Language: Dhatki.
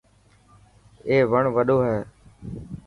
اي وڻ وڏو هي.